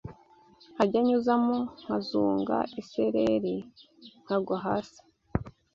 nkajya nyuzamo nkazunga isereri nkagwa hasi